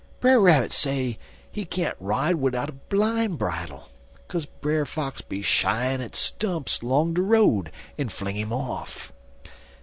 Brer Rabbit say he can't ride widout bline bridle, kaze Brer Fox be shyin' at stumps long de road, en fling 'im off.